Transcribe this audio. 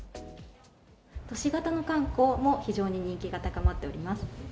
都市型の観光も非常に人気が高まっております。